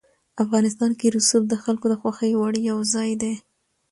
افغانستان کې رسوب د خلکو د خوښې وړ یو ځای دی.